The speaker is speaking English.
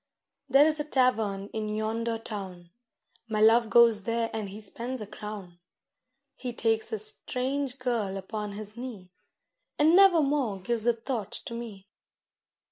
There is a tavern in yonder town, My Love goes there and he spends a crown; He takes a strange girl upon his knee, And never more gives a thought to me.